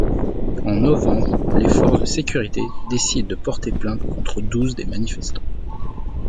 En novembre, les forces de sécurité décident de porter plainte contre douze des manifestants.